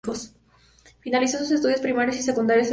Finalizó sus estudios primarios y secundarios en Viena.